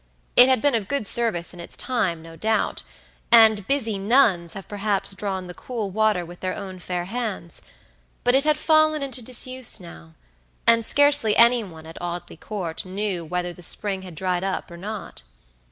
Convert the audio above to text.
It had been of good service in its time, no doubt; and busy nuns have perhaps drawn the cool water with their own fair hands; but it had fallen into disuse now, and scarcely any one at Audley Court knew whether the spring had dried up or not.